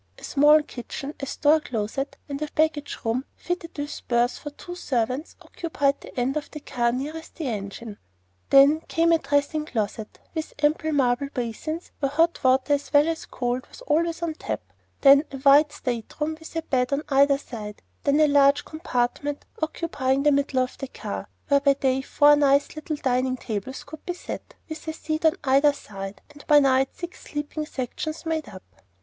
A small kitchen, a store closet, and a sort of baggage room, fitted with berths for two servants, occupied the end of the car nearest the engine. Then came a dressing closet, with ample marble basins where hot water as well as cold was always on tap; then a wide state room, with a bed on either side, and then a large compartment occupying the middle of the car, where by day four nice little dining tables could be set, with a seat on either side, and by night six sleeping sections made up.